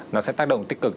nó sẽ tác động tích cực